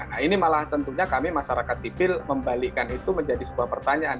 nah ini malah tentunya kami masyarakat sipil membalikkan itu menjadi sebuah pertanyaan